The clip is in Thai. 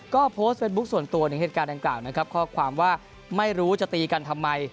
ก็โพสต์เฟซบุ๊คส่วนตัวในเหตุการณ์ดังกล่าวนะครับข้อความว่าไม่รู้จะตีกันทำไม